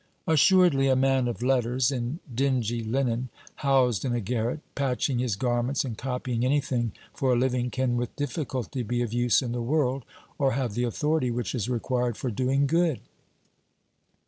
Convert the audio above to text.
Assuredly a man of letters in dingy linen, housed in a garret, patching his garments and copying anything for a living, can with difficulty be of use in the world, or have the authority which is required for doing good.